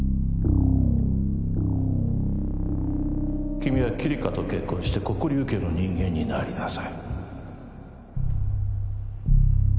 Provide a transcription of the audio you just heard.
君はキリカと結婚して黒龍家の人間になりなさい